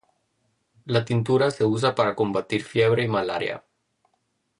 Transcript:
La tintura se usa para combatir fiebre y malaria.